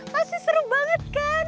masih seru banget kan